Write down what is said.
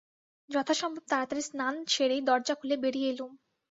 যথাসম্ভব তাড়াতাড়ি স্নান সেরেই দরজা খুলে বেরিয়ে এলুম।